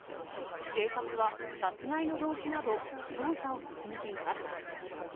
警察は殺害の動機など、捜査を進めています。